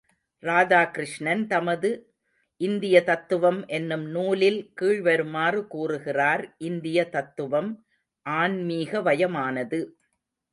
ராதாகிருஷ்ணன் தமது இந்திய தத்துவம் என்னும் நூலில் கீழ்வருமாறு கூறுகிறார் இந்திய தத்துவம் ஆன்மீகவயமானது.